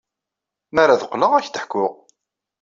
Mi ara d-qqleɣ, ad ak-d-ḥkuɣ.